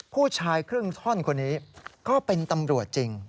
ผู้ชายครึ่งท่อนคนนี้ก็เป็นตำรวจจริง